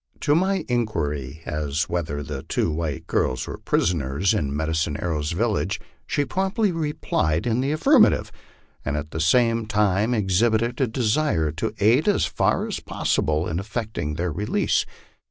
To my inquiry as to whether the two white girls were prisoners in Medicine Arrow's village, she promptly replied in the affirmative, and' atr the same time exhibited a desire to aid as far as possible in effecting tiieir release.